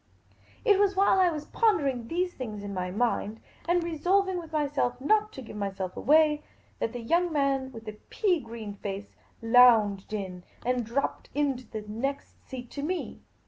It was while I was pondering these things in my mind, and resolving with myself not to give my.self away, that the young man with the pea green face lounged in and dropped into the next seat to me.